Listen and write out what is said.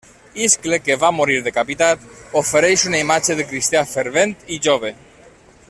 Iscle, que va morir decapitat, ofereix una imatge de cristià fervent i jove.